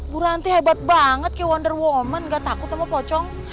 bu ranti hebat banget kayak wonder woman gak takut sama pocong